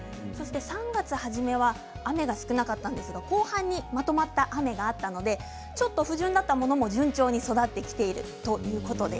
３月初めは雨が少なかったのですが後半にまとまった雨があったので不順だったものも順調に育ってきているということです。